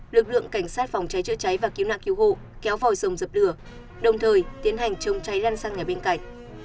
lực lượng cảnh sát phòng cháy chữa cháy và cứu nạn cứu hộ kéo vòi sông dập lửa đồng thời tiến hành trông cháy răn sang nhà bên cạnh